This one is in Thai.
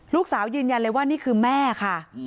ยืนยันเลยว่านี่คือแม่ค่ะ